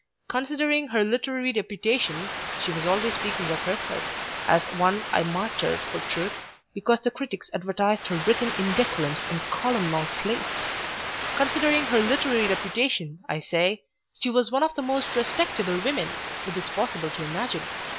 Considering her literary reputation (she was always speaking of herself as one I martyred for truth,' because the critics advertised her written indecorums in column long 'slates'), considering her literary reputation, I say, she was one of the most respectable women it is possible to imagine.